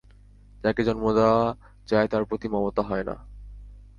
যাকে জন্ম দেওয়া যায় তার প্রতি মমতা হয় না?